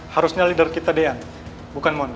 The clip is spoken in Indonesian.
harusnya leader kita dean bukan mohon